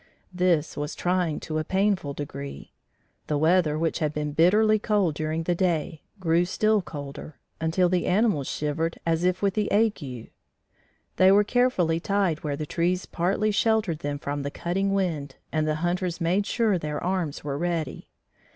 This was trying to a painful degree. The weather which had been bitterly cold during the day, grew still colder, until the animals shivered as if with the ague. They were carefully tied where the trees partly sheltered them from the cutting wind and the hunters made sure their arms were ready.